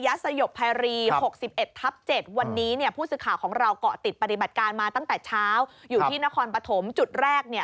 สยบภายรี๖๑ทับ๗วันนี้เนี่ยผู้สื่อข่าวของเราเกาะติดปฏิบัติการมาตั้งแต่เช้าอยู่ที่นครปฐมจุดแรกเนี่ย